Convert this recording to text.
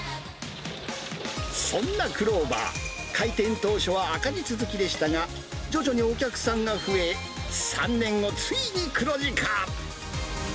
そんなくろーばー、開店当初は赤字続きでしたが、徐々にお客さんが増え、３年後、ついに黒字化。